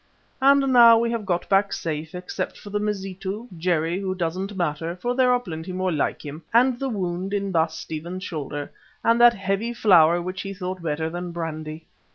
And now we have got back safe, except for the Mazitu, Jerry, who doesn't matter, for there are plenty more like him, and the wound in Baas Stephen's shoulder, and that heavy flower which he thought better than brandy."